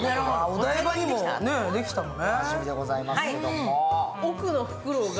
お台場にもできたのね。